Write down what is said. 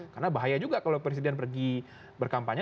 karena bahaya juga kalau presiden pergi berkampanye